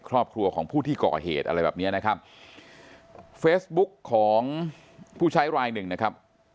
ครอบครัวของผู้ที่ก่อเหตุอะไรแบบเนี้ยนะครับเฟซบุ๊กของผู้ใช้รายหนึ่งนะครับ